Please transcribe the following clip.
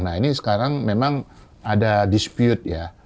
nah ini sekarang memang ada dispute ya